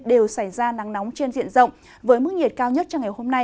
đều xảy ra nắng nóng trên diện rộng với mức nhiệt cao nhất cho ngày hôm nay